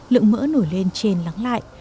lượng mỡ nổi lên trên lắng lại